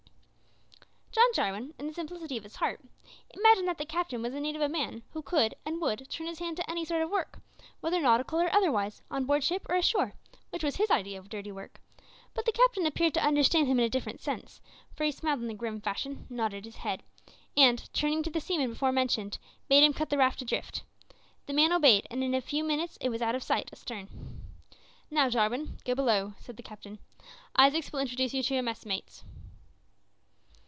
John Jarwin, in the simplicity of his heart, imagined that the captain was in need of a man who could and would turn his hand to any sort of work, whether nautical or otherwise, on board ship or ashore, which was his idea of "dirty work;" but the captain appeared to understand him in a different sense, for he smiled in a grim fashion, nodded his head, and, turning to the seaman before mentioned, bade him cut the raft adrift. The man obeyed, and in a few minutes it was out of sight astern. "Now, Jarwin, go below," said the captain; "Isaacs will introduce you to your messmates."